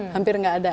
hampir nggak ada